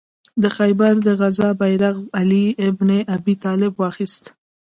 د خیبر د غزا بیرغ علي ابن ابي طالب واخیست.